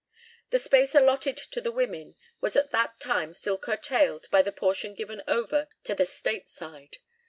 The space allotted to the women was at that time still curtailed by the portion given over to the state side.